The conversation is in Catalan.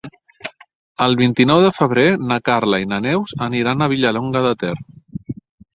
El vint-i-nou de febrer na Carla i na Neus aniran a Vilallonga de Ter.